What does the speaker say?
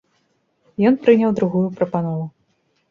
Ён прыняў другую прапанову.